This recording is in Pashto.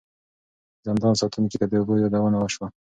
د زندان ساتونکي ته د اوبو یادونه وشوه.